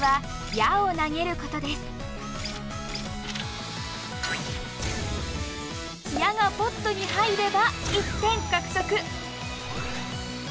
矢がポットにはいれば１点獲得。